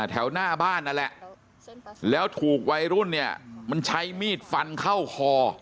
แถวหน้าบ้านนั่นแหละแล้วถูกวัยรุ่นเนี่ยมันใช้มีดฟันเข้าคอ